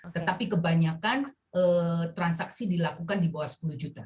tetapi kebanyakan transaksi dilakukan di bawah sepuluh juta